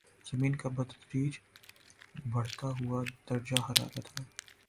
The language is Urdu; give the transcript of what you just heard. زمین کا بتدریج بڑھتا ہوا درجۂ حرارت ہے